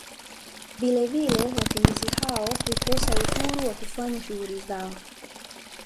Vilevile wakimbizi hao hukosa Uhuru wa kufanya shughuli zao